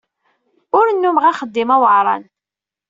Ur nnumeɣ axeddim aweɛṛan.